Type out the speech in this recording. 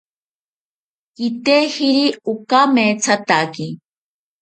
Kitejiri okamethataki